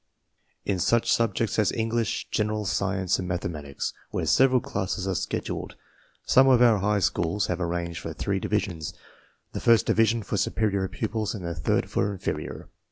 In such subjects as English, general science, and CLASSIFICATION BY MENTAL ABILITY 51 mathematics, where several classes are scheduled, some of our high schools have arranged for three divisions, the first division for superior pupils and the third for inferior.